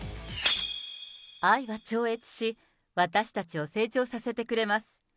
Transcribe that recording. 愛は超越し、私たちを成長させてくれます。